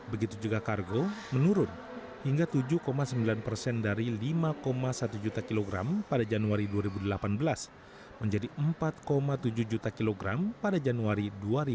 begitu juga kargo menurun hingga tujuh sembilan persen dari lima satu juta kilogram pada januari dua ribu delapan belas menjadi empat tujuh juta kilogram pada januari dua ribu delapan belas